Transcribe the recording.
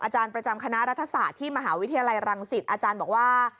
อาจารย์ประจำคณะรัฐศาสตร์ที่มหาวิทยาลัยรังสิตอาจารย์บอกว่า